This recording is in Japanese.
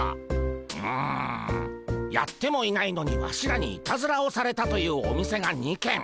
うむやってもいないのにワシらにいたずらをされたというお店が２軒。